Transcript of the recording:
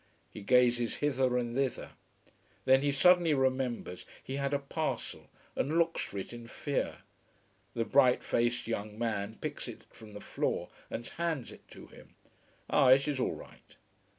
He gazes hither and thither. Then he suddenly remembers he had a parcel, and looks for it in fear. The bright faced young man picks it from the floor and hands it him. Ah, it is all right.